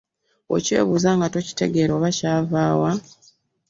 Okyebuuza nga tokitegeera oba yava wa?